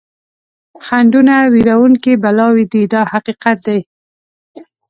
خنډونه وېروونکي بلاوې دي دا حقیقت دی.